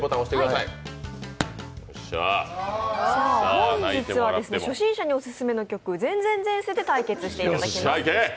本日は初心者におすすめの曲「前前前世」で対決していただきます。